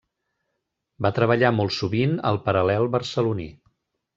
Va treballar molt sovint al Paral·lel barceloní.